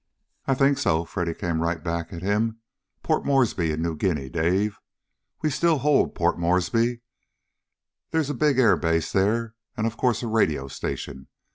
"I think so," Freddy came right back at him. "Port Moresby in New Guinea, Dave. We still hold Port Moresby. There's a big air base there. And, of course, a radio station.